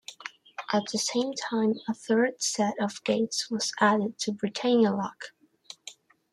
At the same time, a third set of gates was added to Britannia Lock.